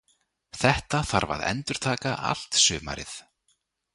Þetta þarf að endurtaka allt sumarið.